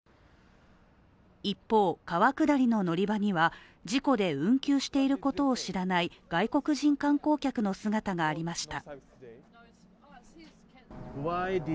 一方、川下りの乗り場には、事故で運休していることを知らない外国人観光客の姿がありました。